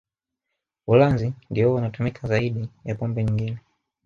Ulanzi ndio huwa unatumika zaidi ya pombe nyingine